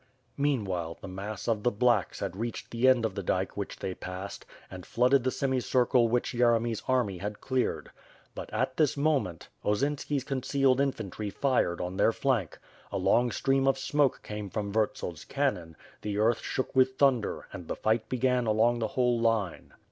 Meanwhile, the mass of the "blacks" had reached the end of the dike which they passed, and flooded the semicircle which Yeremy's army had cleared. But, at this moment, Osinki's concealed infantry fired on their flank. A long stream of smoke came from Vurtsel's cannon, the earth shook with thunder and the fight began along the whole line.